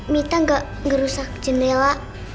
mita gak ngerusak jendela